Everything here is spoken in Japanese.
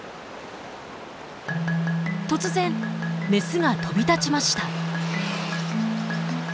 突然メスが飛び立ちました。